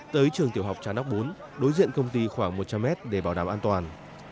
tới trường tiểu học trà nóc bốn đối diện công ty khoảng một trăm linh mét để bảo đảm an toàn